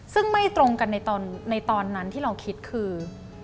ซึ่งไม่ตรงกันในตอนนั้นที่เราคิดคือ